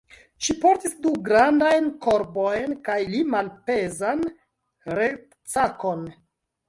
Ŝi portis du grandajn korbojn kaj li malpezan retsakon.